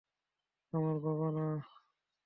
আমার বাবা, না?